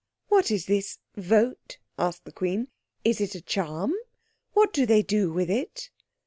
"What is this vote?" asked the Queen. "Is it a charm? What do they do with it?"